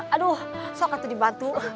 aduh aku bantu